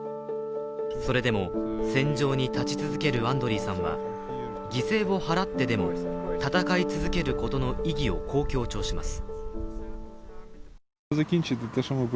それでも戦場にたち続けるアンドリーさんは犠牲を払ってでも戦い続けることの意義をこう強調します。